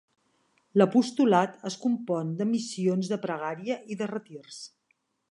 L'apostolat es compon de missions de pregària i de retirs.